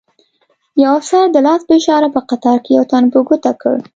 یو افسر د لاس په اشاره په قطار کې یو تن په ګوته کړ.